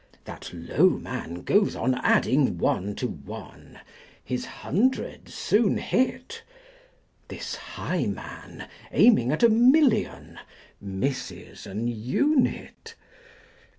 That low man goes on adding one to one, His hundred's soon hit: This high man, aiming at a million, Misses an unit.